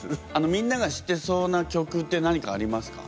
みんなが知ってそうな曲って何かありますか？